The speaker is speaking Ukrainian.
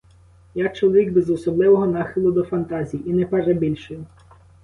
Я чоловік без особливого нахилу до фантазії і не перебільшую.